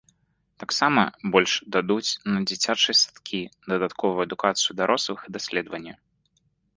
Таксама больш дадуць на дзіцячыя садкі, дадатковую адукацыю дарослых і даследаванні.